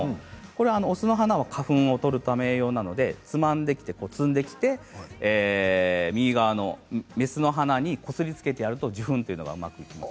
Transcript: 雄の花は花粉を取る用なので摘んできて右側の雌の花にこすりつけてやると受粉がうまくいきます。